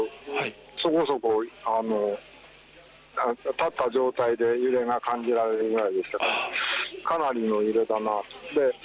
立った状態で揺れが感じられるくらいでしたからかなりの揺れだなと。